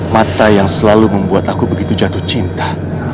mata yang selalu membuat aku begitu jatuh cinta